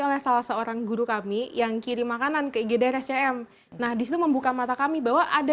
oleh salah seorang guru kami yang kirim makanan ke igd rscm nah disitu membuka mata kami bahwa ada